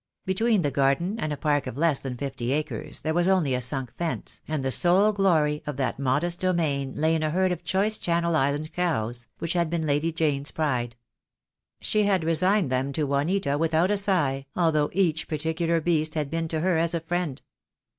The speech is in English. Between the garden and a park of less than fifty acres there was only a sunk fence, and the sole glory of that modest domain THE DAY WILL COME. 35 lay in a herd of choice Channel Island cows, which had been Lady Jane's pride. She had resigned them to Juanita without a sigh, although each particular beast had been to her as a friend.